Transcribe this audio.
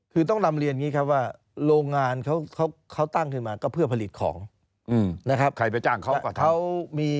คือต้องนำเรียนอย่างงี้ครับว่าโรงงานเขาตั้งขึ้นมาก็เพื่อผลิตของนะครับ